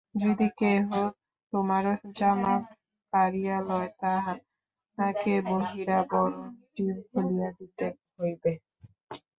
যদি কেহ তোমার জামা কাড়িয়া লয়, তাহাকে বহিরাবরণটিও খুলিয়া দিতে হইবে।